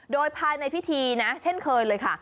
โดยภายในพิธีนะเช่นเคยเลยค่ะ